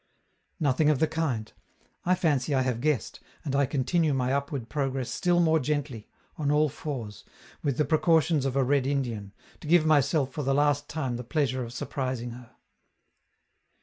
Nothing of the kind! I fancy I have guessed, and I continue my upward progress still more gently, on all fours, with the precautions of a red Indian, to give myself for the last time the pleasure of surprising her.